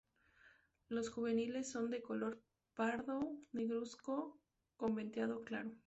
Los juveniles son de color pardo negruzco con veteado claro.